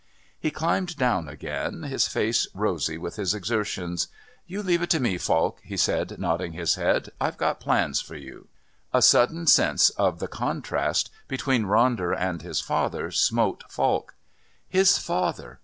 He climbed down again, his face rosy with his exertions. "You leave it to me, Falk," he said, nodding his head. "I've got plans for you." A sudden sense of the contrast between Ronder and his father smote Falk. His father!